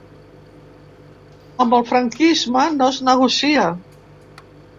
Amb el franquisme no es negocia.